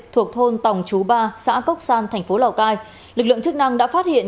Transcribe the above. thuộc thôn tòng chú ba xã cốc san thành phố lào cai lực lượng chức năng đã phát hiện